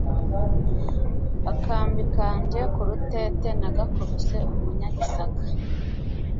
akambi kanjye kurutete nagakubise umunyagisaka